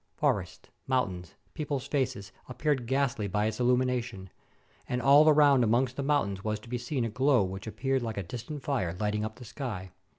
Forests, mountains, people's faces, appeared ghastly by its illumination, and all around amongst the mountains was to be seen a glow which appeared like a distant fiire lighting up the sky.